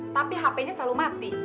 tapi hp nya selalu mati